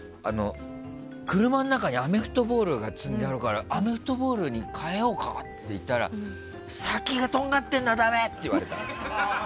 車の中にアメフトボールが積んであるからアメフトボールに変えようかって言ったら先がとんがってるのはダメ！って言われた。